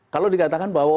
kalau dikatakan bahwa